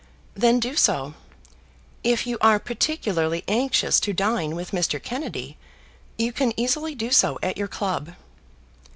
"Then do so. If you are particularly anxious to dine with Mr. Kennedy, you can easily do so at your club."